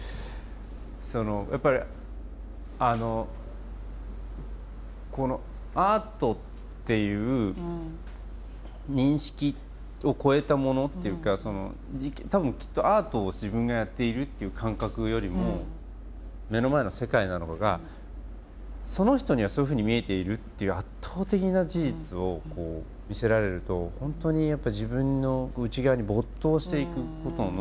そのやっぱりこのアートっていう認識を超えたものっていうか多分きっとアートを自分がやっているっていう感覚よりも目の前の世界なのかがその人にはそういうふうに見えているっていう圧倒的な事実を見せられると本当に自分の内側に没頭していくことの何て言うんだろう